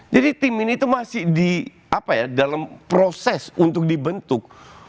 jadi tim ini itu masih di apa ya dalam proses untuk dibentuk